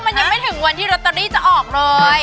มันยังไม่ถึงวันที่ลอตเตอรี่จะออกเลย